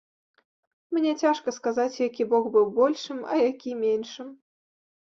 Мне цяжка сказаць, які бок быў большым, а які меншым.